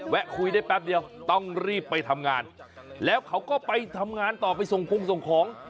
คุยได้แป๊บเดียวต้องรีบไปทำงานแล้วเขาก็ไปทำงานต่อไปส่งคงส่งของ